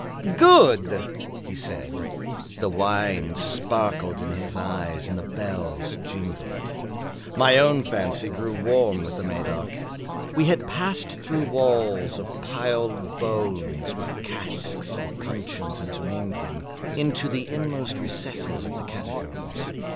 "Good!" he said. The wine sparkled in his eyes and the bells jingled. My own fancy grew warm with the Medoc. We had passed through walls of piled bones, with casks and puncheons intermingling, into the inmost recesses of the catacombs.